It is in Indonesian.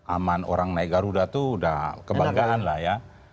aman orang naik garuda itu udah kebanggaan lah ya